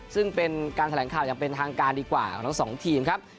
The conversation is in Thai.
ซึ่งเป็นการแถลงข่าวอย่างเป็นทางการดีกว่าของทั้งสองทีมครับ